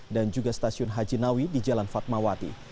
dan juga stasiun haji nawi di jalan fatmawati